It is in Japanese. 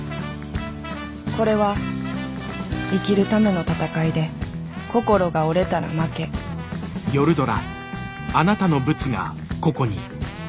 これは生きるための戦いで心が折れたら負けヤッバ。